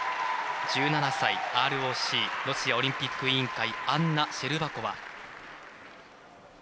１７歳、ＲＯＣ＝ロシアオリンピック委員会アンナ・シェルバコワ。